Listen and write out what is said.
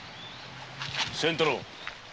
仙太郎！